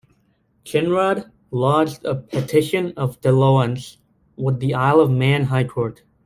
Kinrade lodged a Petition of Doleance with the Isle of Man High Court.